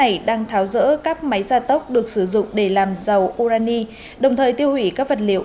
phạt có giữa các máy gia tốc được sử dụng để làm dầu urani đồng thời tiêu hủy các vật liệu